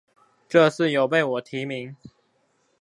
這次有被我提名